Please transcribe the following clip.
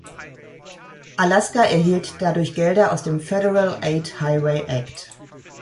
Alaska erhielt dadurch Gelder aus dem "Federal Aid Highway Act".